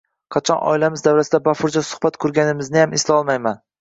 Qachon oilamiz davrasida bafurja suhbat qurganimizniyam eslolmaymiz.